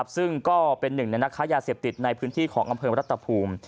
ซึ่งก็เป็นหนึ่งในนักค้ายาเสพติดในพื้นที่ของอำเภอรัฐภูมิ